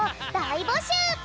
いぼしゅう！